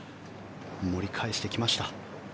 盛り返してきました。